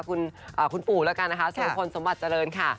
คุณปู่แล้วกันนะคะสุรพลสมบัติเจริญค่ะ